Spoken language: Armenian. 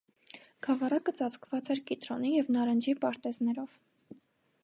Գավառակը ծածկված էր կիտրոնի և նարնջի պարտեզներով։